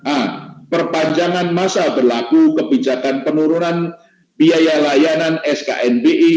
a perpanjangan masa berlaku kebijakan penurunan biaya layanan sknbi